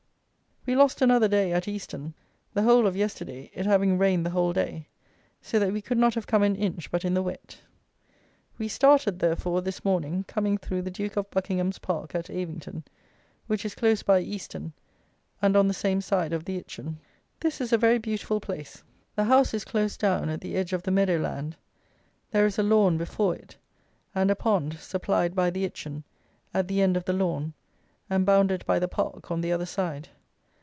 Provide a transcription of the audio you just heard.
_ We lost another day at Easton; the whole of yesterday, it having rained the whole day; so that we could not have come an inch but in the wet. We started, therefore, this morning, coming through the Duke of Buckingham's Park, at Avington, which is close by Easton, and on the same side of the Itchen. This is a very beautiful place. The house is close down at the edge of the meadow land; there is a lawn before it, and a pond, supplied by the Itchen, at the end of the lawn, and bounded by the park on the other side.